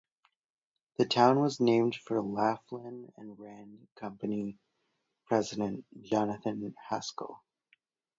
The town was named for Laflin and Rand company president Jonathan Haskell.